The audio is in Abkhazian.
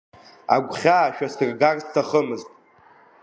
Агәхьаа шәасыргар сҭахымызт.